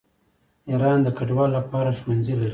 ایران د کډوالو لپاره ښوونځي لري.